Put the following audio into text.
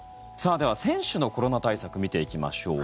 では、選手のコロナ対策を見ていきましょう。